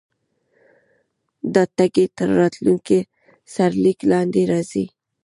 دا ټکی تر راتلونکي سرلیک لاندې راځي.